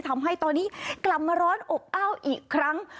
ทำให้ตอนนี้กลับมาร้อนอบอ้าวอีกครั้ง